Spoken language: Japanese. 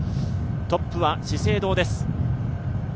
トップは資生堂です。